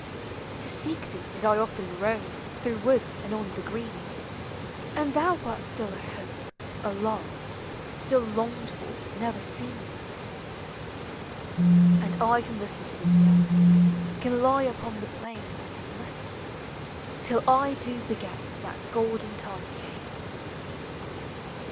To seek thee did 1 often rove Through woods and on the green; And thou wert still a hope, a love; Still longed for. never seen. And I can listen to thee yet ; Can lie upon the plain And listen, till 1 do begel That golden time again.